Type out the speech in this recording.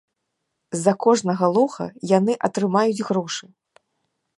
За кожнага лоха яны атрымаюць грошы.